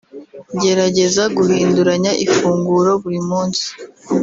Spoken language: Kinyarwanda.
Gerageza guhinduranya ifunguro buri munsi